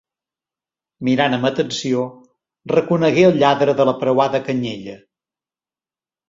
Mirant amb atenció, reconegué el lladre de la preuada canyella.